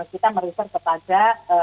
kita merifer kepada